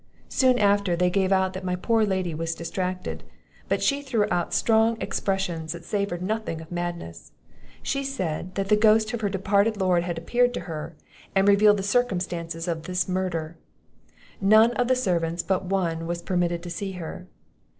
Soon after, they gave out that my poor lady was distracted; but she threw out strong expressions that savoured nothing of madness. She said, that the ghost of her departed lord had appeared to her, and revealed the circumstances of this murder. None of the servants, but one, were permitted to see her.